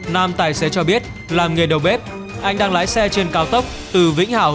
nam tài xế cho biết làm nghề đầu bếp anh đang lái xe trên cao tốc từ vĩnh hảo